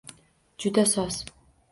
Juda soz.